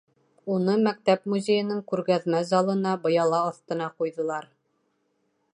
Уны мәктәп музейының күргәҙмә залына, быяла аҫтына ҡуйҙылар.